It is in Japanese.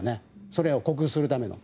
それを克服するための。